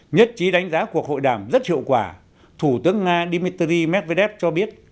nhất trí đánh giá cuộc hội đàm rất hiệu quả thủ tướng nga dmitry medvedev cho biết